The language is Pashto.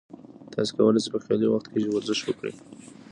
تاسي کولای شئ په خالي وخت کې ورزش وکړئ.